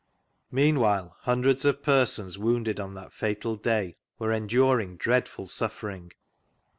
Meanwhile hundreds of persons wounded on that fatal day were enduring dreadful suffering.